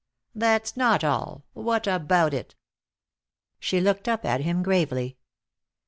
"That's not all. What about it?" She looked up at him gravely.